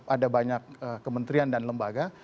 ada banyak kementerian dan lembaga